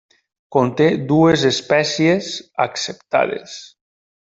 Conté dues espècies acceptades.